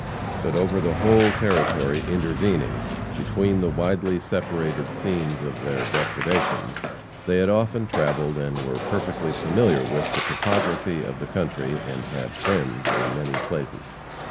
But over the whole territory intervening between the widely separated scenes of their depredations, they had often travelled and were perfectly familiar with the topography of the country, and had friends in many places.